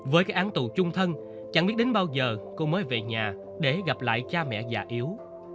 với cái án tù chung thân chẳng biết đến bao giờ cô mới về nhà để gặp lại cha mẹ già yếu